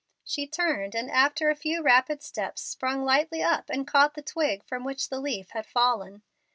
She turned, and after a few rapid steps sprung lightly up and caught the twig from which the leaf had fallen.